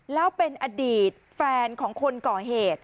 แล้วเป็นอดีตแฟนของคนก่อเหตุ